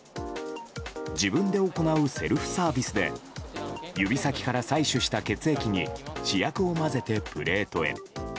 自分で行うセルフサービスで指先から採取した血液に試薬を混ぜてプレートへ。